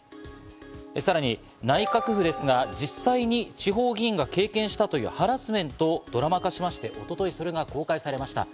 さらに内閣府ですが、実際に地方議員が経験したというハラスメントをドラマ化しまして、一昨日それが公開されました。